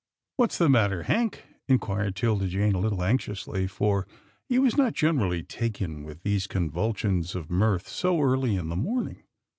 "Whafs the matter, Hank?" inquired 'Tilda Jane a little anxiously, for he was not generally taken with these convulsions of mirth so early in the morning.